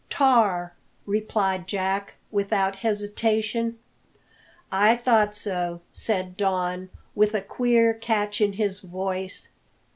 "Tar!" replied Jack, without hesitation. "I thought so," said Don, with a queer catch in his voice.